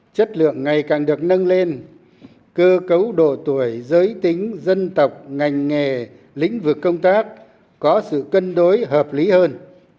chất lượng ngày càng được nâng lên cơ cấu độ tuổi giới tính dân tộc ngành nghề lĩnh vực công tác có sự cân đối hợp lý hơn